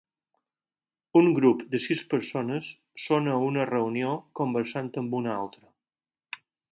Un grup de sis persones són a una reunió conversant amb una altra.